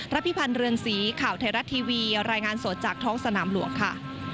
พิพันธ์เรือนสีข่าวไทยรัฐทีวีรายงานสดจากท้องสนามหลวงค่ะ